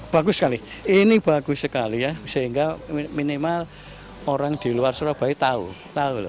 bagus sekali ini bagus sekali ya sehingga minimal orang di luar surabaya tahu tahu loh